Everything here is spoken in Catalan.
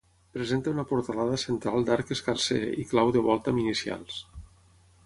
Presenta una portalada central d'arc escarser i clau de volta amb inicials.